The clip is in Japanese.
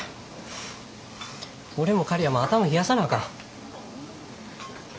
俺も刈谷も頭冷やさなあかん。